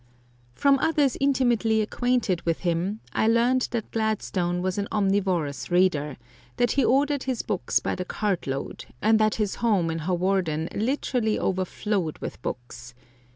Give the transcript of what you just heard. From others intimately acquainted with him I learned that Gladstone was an omnivorous reader; that he ordered his books by the cart load, and that his home in Hawarden literally overflowed with books.